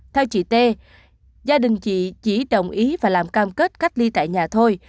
theo chị t gia đình chị chỉ đồng ý và làm cam kết cách ly tại nhà thôi